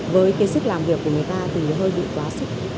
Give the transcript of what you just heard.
với cái sức làm việc của người ta thì hơi bị quá sức